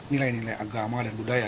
nilai nilai agama dan budaya